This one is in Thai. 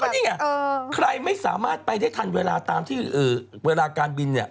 นี่ไงใครไม่สามารถไปได้ทันเวลาตามที่เวลาการบินเนี่ย